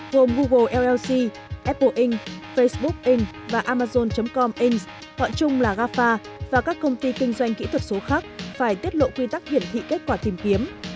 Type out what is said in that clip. gồm google llc apple inc facebook inc và amazon com inc họ chung là gafa và các công ty kinh doanh kỹ thuật số khác phải tiết lộ quy tắc hiển thị kết quả tìm kiếm